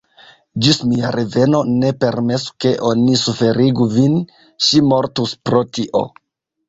Ĝis mia reveno, ne permesu ke oni suferigu vin: ŝi mortus pro tio!